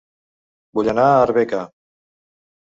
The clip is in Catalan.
Vull anar a Arbeca